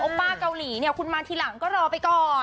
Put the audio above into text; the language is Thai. ป้าเกาหลีเนี่ยคุณมาทีหลังก็รอไปก่อน